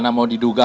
gimana mau diduga